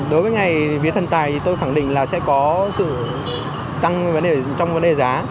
đối với ngày vía thần tài thì tôi khẳng định là sẽ có sự tăng trong vấn đề giá